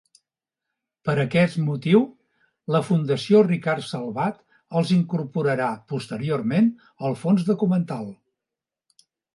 Per aquest motiu, la Fundació Ricard Salvat els incorporarà posteriorment al fons documental.